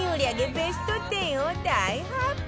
ベスト１０を大発表